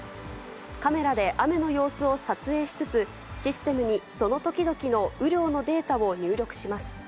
カメラで雨の様子を撮影しつつ、システムにその時々の雨量のデータを入力します。